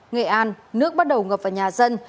nghệ an nước bắt đầu ngập vào nhà dân